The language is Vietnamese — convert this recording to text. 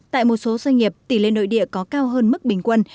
tại một số doanh nghiệp tỷ lệ nội địa có cao hơn mức bình quân